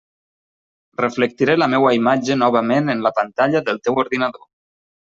Reflectiré la meua imatge novament en la pantalla del teu ordinador.